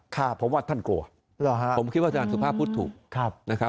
ค่ะผมว่าท่านกลัวผมคิดว่าอาจารย์สุภาพพูดถูก